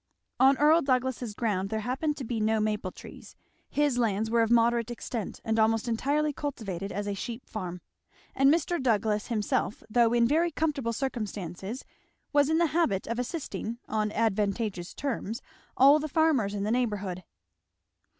On Earl Douglass's ground there happpened to be no maple trees. His lands were of moderate extent and almost entirely cultivated as a sheep farm; and Mr. Douglass himself though in very comfortable circumstances was in the habit of assisting, on advantageous terms, all the farmers in the neighbourhood.